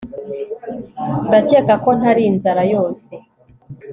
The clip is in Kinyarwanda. ndakeka ko ntari inzara yose